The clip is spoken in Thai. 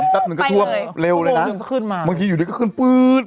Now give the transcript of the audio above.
ไปเลยเร็วเลยนะข้อโมงยังคืนมาบางทีอยู่เดี๋ยวก็ขึ้นพื้ด